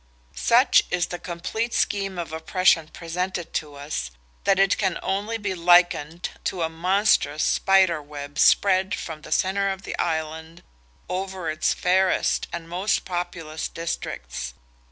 Such is the complete scheme of oppression presented to us, that it can only be likened to a monstrous spider web spread from the centre of the Island over its fairest and most populous districts.